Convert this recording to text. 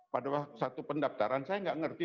pada waktu satu pendaftaran saya gak ngerti